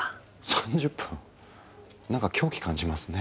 ３０分なんか狂気感じますね。